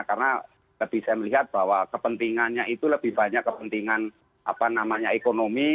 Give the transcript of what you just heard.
karena lebih saya melihat bahwa kepentingannya itu lebih banyak kepentingan apa namanya ekonomi